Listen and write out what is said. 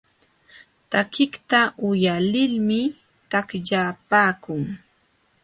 Takiqta uyalilmi taqllapaakun.